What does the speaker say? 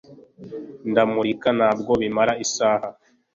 Ndamurika Ntabwo bimara isaha